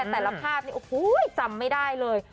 แต่ละภาพนี้จำไม่ได้เลย